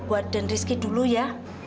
buat den rizky dulu ya